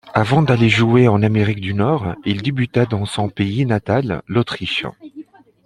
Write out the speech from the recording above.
Avant d'aller jouer en Amérique du Nord, il débuta dans son pays natal, l'Autriche.